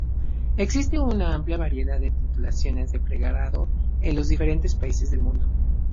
Existe una amplia variedad de titulaciones de pregrado en los diferentes países del mundo.